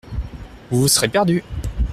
Vous vous serez perdue !